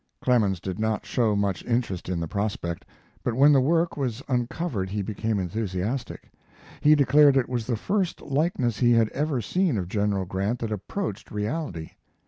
Clemens did not show much interest in the prospect, but when the work was uncovered he became enthusiastic. He declared it was the first likeness he had ever seen of General Grant that approached reality.